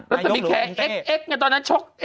รัศมีแข่เอ๊กตอนนั้นชก